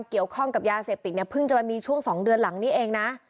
กับยาเสพติกเพิ่มจะมามีช่วง๒เดือนหลังนี้เองนะ